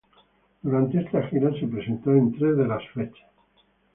Durante esta gira se presentó en tres de las fechas.